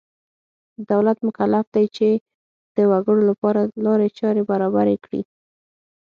دولت مکلف دی چې د وګړو لپاره لارې چارې برابرې کړي.